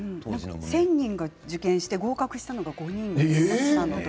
１０００人が受験して合格したのは５人です。